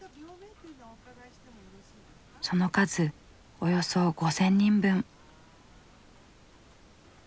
その数およそ５０００人分。